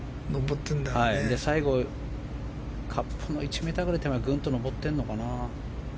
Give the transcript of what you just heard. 最後、カップ１ｍ手前ぐんと上ってるのかな。